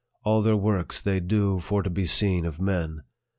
All their works they do for to be seen of men.